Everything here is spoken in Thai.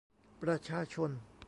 ประชาชน